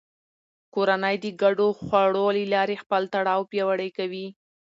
کورنۍ د ګډو خوړو له لارې خپل تړاو پیاوړی کوي